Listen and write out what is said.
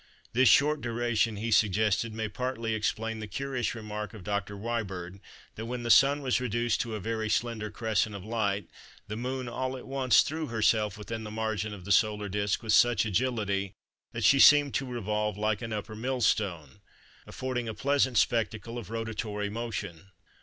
This short duration, he suggested, may partly explain the curious remark of Dr. Wyberd that when the Sun was reduced to "a very slender crescent of light, the Moon all at once threw herself within the margin of the solar disc with such agility that she seemed to revolve like an upper millstone, affording a pleasant spectacle of rotatory motion."